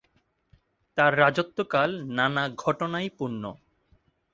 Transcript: তাঁর রাজত্বকাল নানা ঘটনায় পূর্ণ।